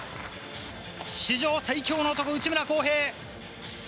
史上最強の男、内村航平。